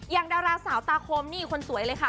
ดาราสาวตาคมนี่คนสวยเลยค่ะ